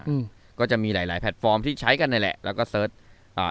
อืมก็จะมีหลายหลายแพลตฟอร์มที่ใช้กันนี่แหละแล้วก็เสิร์ชอ่า